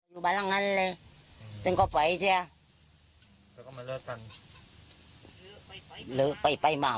ต้องสูญยูกับลูก